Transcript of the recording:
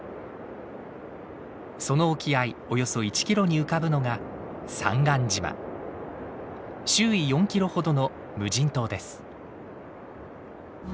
その沖合およそ１キロに浮かぶのが周囲４キロほどの無人島です。